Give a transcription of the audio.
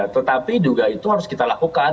tetapi juga itu harus kita lakukan